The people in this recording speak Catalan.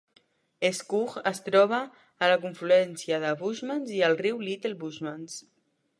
Estcourt es troba a la confluència de Bushmans i el riu Little Bushmans.